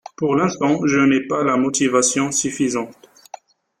Pour l’instant, je n’ai pas la motivation suffisante.